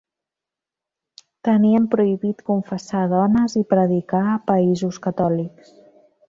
Tenien prohibit confessar dones i predicar a països catòlics.